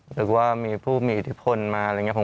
หรือว่ามีผู้มีอิทธิพลมาอะไรอย่างนี้